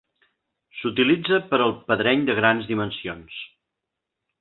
S'utilitza per al pedreny de grans dimensions.